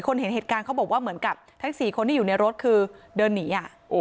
เห็นเหตุการณ์เขาบอกว่าเหมือนกับทั้ง๔คนที่อยู่ในรถคือเดินหนี